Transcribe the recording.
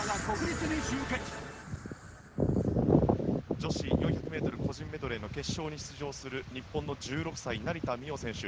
女子４００ｍ個人メドレーの決勝に出場する日本の１６歳、成田実生選手。